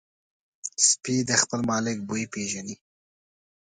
سپي د خپل مالک بوی پېژني.